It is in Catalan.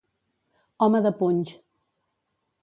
Home de punys.